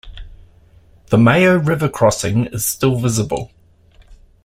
The Mayo River crossing is still visible.